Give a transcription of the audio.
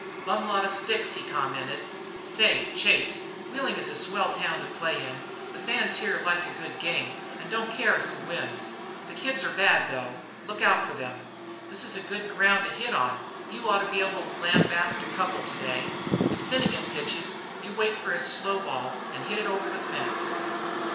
"Bum lot of sticks," he commented. "Say, Chase, Wheeling is a swell town to play in. The fans here like a good game an' don't care who wins. The kids are bad, though. Look out for them. This's a good ground to hit on. You ought to lambaste a couple today. If Finnegan pitches, you wait for his slow ball and hit it over the fence."